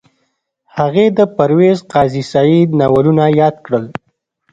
هغې د پرویز قاضي سعید ناولونه یاد کړل